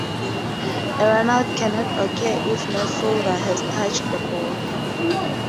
A run out cannot occur if no fielder has touched the ball.